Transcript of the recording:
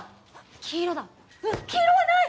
黄色だ黄色がない！